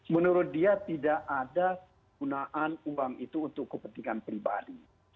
menurut dia tidak ada gunaan uang itu untuk kepentingan pribadi